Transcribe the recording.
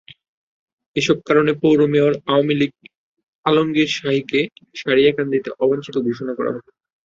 এসব কারণে পৌর মেয়র আলমগীর শাহীকে সারিয়াকান্দিতে অবাঞ্ছিত ঘোষণা করা হলো।